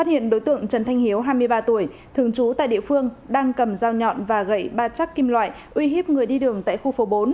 thượng trần thanh hiếu hai mươi ba tuổi thường trú tại địa phương đang cầm dao nhọn và gậy ba chắc kim loại uy hiếp người đi đường tại khu phố bốn